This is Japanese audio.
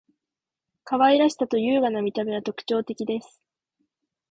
可愛らしさと優雅な見た目は特徴的です．